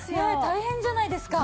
大変じゃないですか。